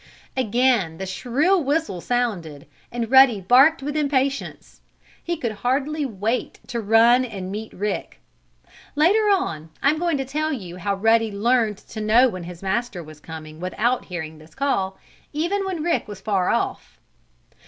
Again the shrill whistle sounded, and Ruddy barked with impatience. He could hardly wait to run and meet Rick. Later on I am going to tell you how Ruddy learned to know when his master was coming without hearing this call, even when Rick was far off.